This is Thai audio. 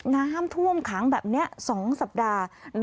น้ำท่วมขังแบบนี้๒สัปดาห์